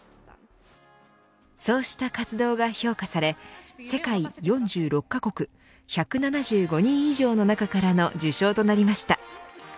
そうした活動が評価され世界４６カ国１７５人以上の中からの受賞となりました。